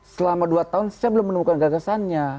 selama dua tahun saya belum menemukan gagasannya